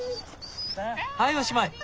はいおしまい。